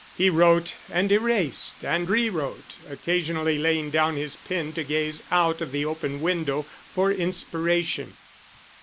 He wrote and erased and rewrote, occasionally laying down his pen to gaze out of the open window for inspiration.